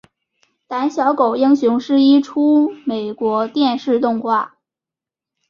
胆小狗英雄是一出美国电视动画。